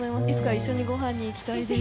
一緒にごはんに行きたいです。